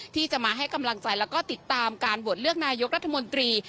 ที่จะมาให้กำลังใจแล้วก็ติดตามการโหวตเลือกนายกรัฐมนตรี